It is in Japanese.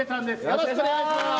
よろしくお願いします！